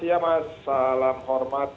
iya mas salam hormat